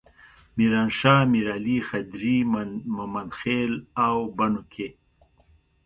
میرانشاه، میرعلي، خدري، ممندخیل او بنو کې.